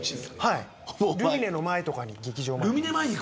ルミネの前とかに、劇場の。